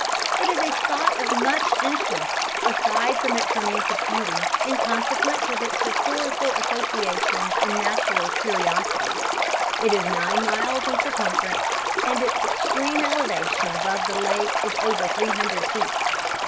"It is a spot of much interest, aside from its romantic beauty, in consequence of its historical associations and natural curiosities. It is nine miles in circumference, and its extreme elevation above the lake is over three hundred feet.